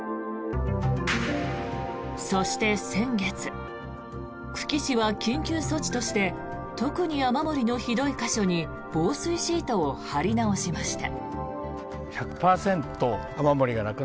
そして先月久喜市は緊急措置として特に雨漏りのひどい箇所に防水シートを張り直しました。